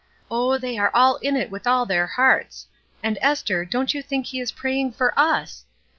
Oh, they are all in it with all their hearts. And, Esther, don't you think he is praying for us